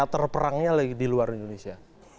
teater perangnya lagi di luar indonesia